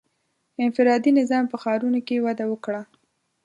• انفرادي نظام په ښارونو کې وده وکړه.